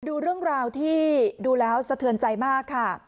ดูเรื่องราวที่ดูแล้วสะเทือนใจมากค่ะ